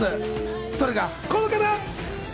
それがこの方。